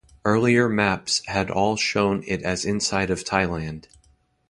Earlier maps had all shown it as inside of Thailand.